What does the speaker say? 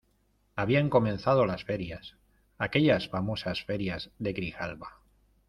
habían comenzado las ferias, aquellas famosas ferias de Grijalba